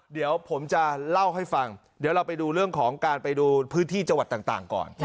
เดี๋ยวผมจะเล่าให้ฟังเดี๋ยวเราไปดูเรื่องของการไปดูพื้นที่จังหวัดต่างก่อน